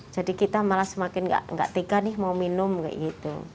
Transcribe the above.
jadi kita malah semakin tidak tega nih mau minum gitu